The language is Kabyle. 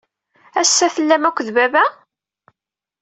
Ass-a, tellam akked baba?